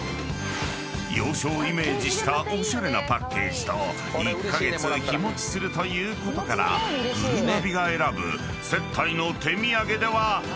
［洋書をイメージしたおしゃれなパッケージと１カ月日持ちするということからぐるなびが選ぶ］